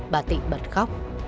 bà tịnh bật khóc